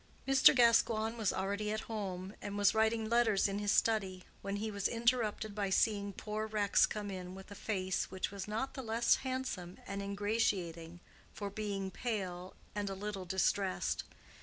Mr. Gascoigne was already at home, and was writing letters in his study, when he was interrupted by seeing poor Rex come in with a face which was not the less handsome and ingratiating for being pale and a little distressed.